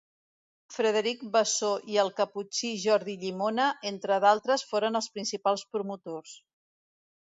Frederic Bassó i el caputxí Jordi Llimona entre d'altres foren els principals promotors.